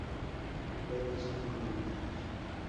Sus padres son colombianos.